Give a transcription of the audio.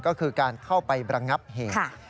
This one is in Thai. ก็คือการเข้าไประงับเหตุ